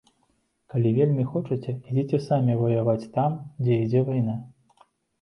Калі вельмі хочаце, ідзіце самі ваяваць там, дзе ідзе вайна.